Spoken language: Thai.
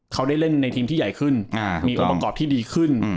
เขาได้เล่นในทีมที่ใหญ่ขึ้นมีองค์ประกอบที่ดีขึ้น